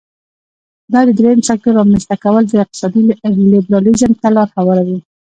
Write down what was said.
دا د دریم سکتور رامینځ ته کول د اقتصادي لیبرالیزم ته لار هواروي.